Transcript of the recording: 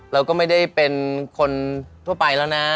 เราก็ไม่ได้เป็นคนทั่วไปแล้วนะ